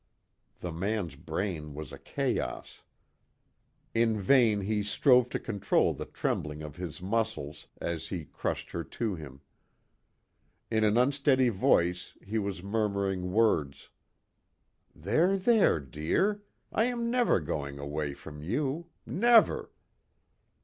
The man's brain was a chaos. In vain he strove to control the trembling of his muscles as he crushed her to him. In an unsteady voice he was murmuring words: "There, there, dear. I am never going away from you never."